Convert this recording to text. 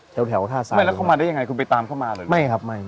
แถวแถวท่าซ้ายไม่แล้วเข้ามาได้ยังไงคุณไปตามเข้ามาเลยไม่ครับไม่